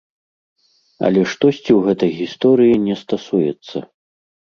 Але штосьці ў гэтай гісторыі не стасуецца.